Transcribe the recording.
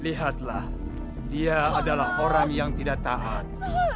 lihatlah dia adalah orang yang tidak taat